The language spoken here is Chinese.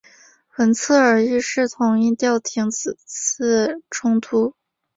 文策尔一世同意调停此次冲突。